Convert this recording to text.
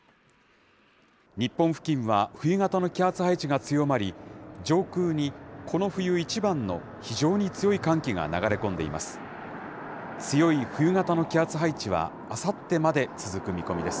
日本付近は冬型の気圧配置が強まり、上空にこの冬一番の非常に強い寒気が流れ込んでいます。